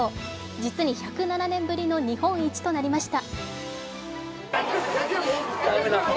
実に１０７年ぶりの日本一となりました。